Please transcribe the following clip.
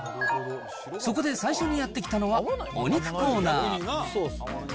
そこで最初にやって来たのは、お肉コーナー。